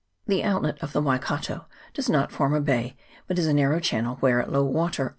The outlet of the Waikato does not form a bay, but is a narrow channel, where, at low water, only CHAP.